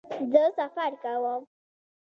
زه سفر کوم